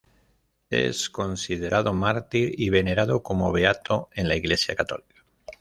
Es considerado mártir y venerado como beato en la Iglesia católica.